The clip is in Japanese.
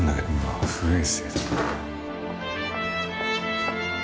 はい。